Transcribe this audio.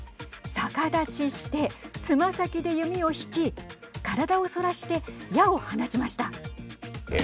逆立ちして、つま先で弓を引き体を反らして矢を放ちました。